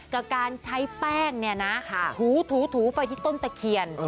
กับการใช้แป้งเนี่ยนะถูไปที่ต้นตะเคียน